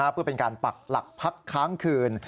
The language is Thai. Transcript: เพื่อเป็นการปักหลักพักค้างคืน